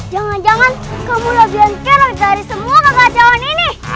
jangan jangan kamu lebih yang kira dari semua kakak cawan ini